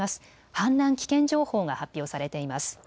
氾濫危険情報が発表されています。